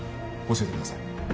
教えてください